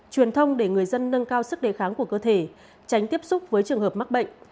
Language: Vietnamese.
truyền thông để người dân nâng cao sức đề kháng của cơ thể tránh tiếp xúc với trường hợp mắc bệnh